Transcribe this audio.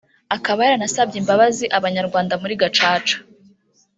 akaba yaranasabye imbabazi Abanyarwanda muri Gacaca